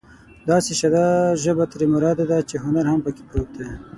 داسې ساده ژبه ترې مراد ده چې هنر هم پکې پروت وي.